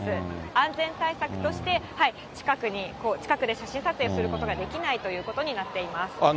安全対策として、近くで写真撮影することができないということになっています。